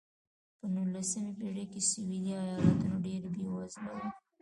په نولسمې پېړۍ کې سوېلي ایالتونه ډېر بېوزله وو.